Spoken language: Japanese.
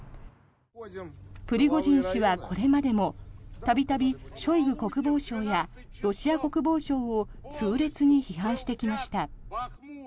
プリゴジン氏はこれまでも度々、ショイグ国防相やロシア国防省を痛烈に批判してきました。